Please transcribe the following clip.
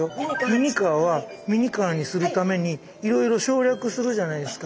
ミニカーはミニカーにするためにいろいろ省略するじゃないですか。